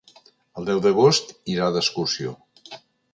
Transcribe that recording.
El deu d'agost irà d'excursió.